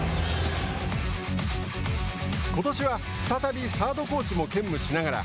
ことしは再びサードコーチも兼務しながら。